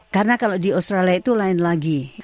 karena kalau di australia itu lain lagi